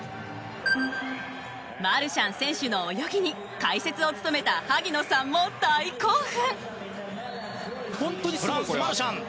マルシャン選手の泳ぎに解説を務めた萩野さんも大興奮！